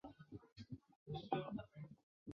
由上海铁路局勘测设计院设计。